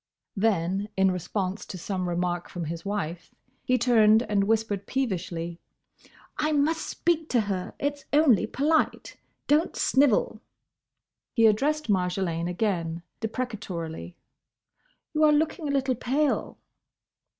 then in response to some remark from his wife, he turned and whispered peevishly, "I must speak to her; it's only polite. Don't snivel." He addressed Marjolaine again, deprecatorily, "You are looking a little pale."